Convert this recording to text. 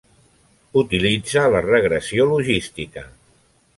Utilitza la regressió logística.